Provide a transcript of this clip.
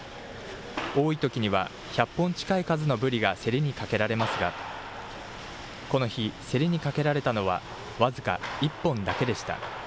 多いときには１００本近い数のブリが競りにかけられますが、この日、競りにかけられたのは僅か１本だけでした。